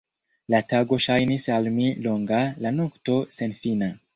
La tago ŝajnis al mi longa; la nokto, senfina.